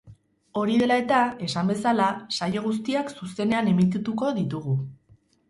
Hori dela eta, esan bezala, saio guztiak zuzenean emitituko ditugu.